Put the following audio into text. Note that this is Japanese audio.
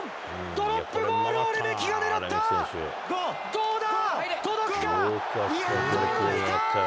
ドロップゴールをレメキが狙った、どうだ？